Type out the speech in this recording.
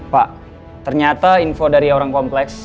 pak ternyata info dari orang kompleks